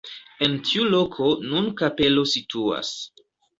En tiu loko nun kapelo situas.